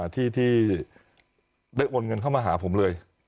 ที่ได้โอนเงินเข้ามาหาผมเลย